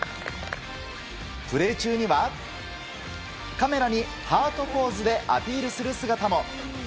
プレー中には、カメラにハートポーズでアピールする姿も。